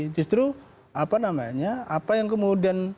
justru apa yang kemudian